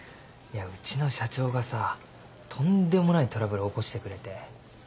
いやうちの社長がさとんでもないトラブル起こしてくれて。